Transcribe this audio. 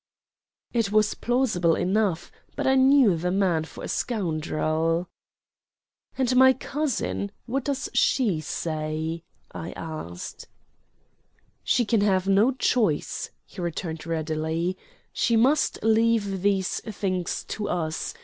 It was plausible enough, but I knew the man for a scoundrel. "And my cousin what does she say?" I asked. "She can have no choice," he returned readily. "She must leave these things to us.